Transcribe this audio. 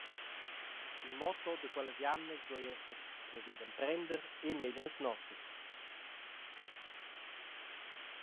Il motto da quellas jamnas duei esser plascher d’emprender e meglieras notas.